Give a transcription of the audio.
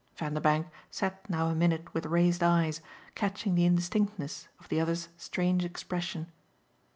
Vanderbank sat now a minute with raised eyes, catching the indistinctness of the other's strange expression.